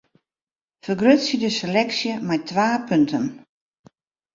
Fergrutsje de seleksje mei twa punten.